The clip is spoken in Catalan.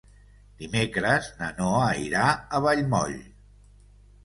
Dimecres na Noa irà a Vallmoll.